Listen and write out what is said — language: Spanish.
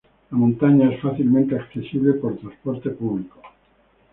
La montaña es fácilmente accesible por transporte público.